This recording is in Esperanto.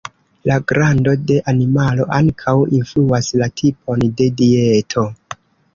La grando de animalo ankaŭ influas la tipon de dieto.